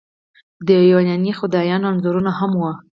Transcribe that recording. د یوناني خدایانو انځورونه هم وو